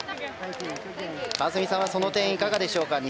川澄さんはその点いかがでしょうか。